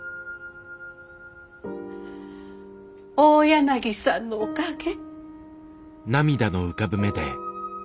大柳さんのおかげ。